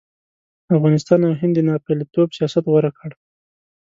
افغانستان او هند د ناپېلتوب سیاست غوره کړ.